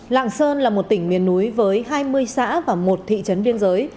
lạng sơn là một tỉnh miền núi với hai mươi xã và một thị trấn biên giới